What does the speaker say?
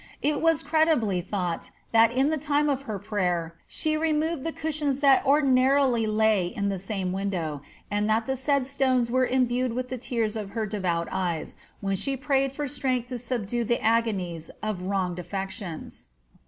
It was credibly thought, that in the time of her prayer she removed the cushions that ordinarily lay in the same window, and that the said stones were imbraed with the tears of her devout eyes, when she prayed for strength to subdue the agonies of wronged afiections."